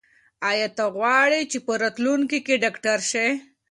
ایا ته غواړې چې په راتلونکي کې ډاکټر شې؟